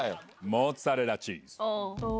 モッツァレラチーズ。